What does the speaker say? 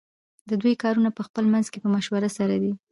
ددوی کارونه پخپل منځ کی په مشوره سره دی .